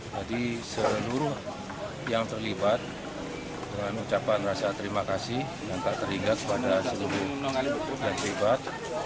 jadi seluruh yang terlibat dengan ucapan rasa terima kasih yang tak teringat pada seluruh yang terlibat